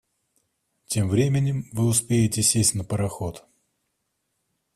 Тем временем вы успеете сесть на пароход.